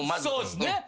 そうですね。